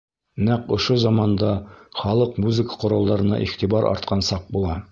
Нәҡ ошо заманда халыҡ музыка ҡоралдарына иғтибар артҡан саҡ була.